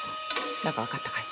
何かわかったかい？